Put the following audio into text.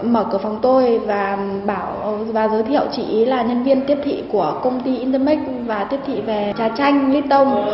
mở cửa phòng tôi và giới thiệu chị là nhân viên tiếp thị của công ty intermec và tiếp thị về trà chanh lít đông